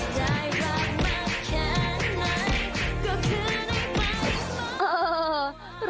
ใจรักมาแค่ไหนก็เทินให้ไปมา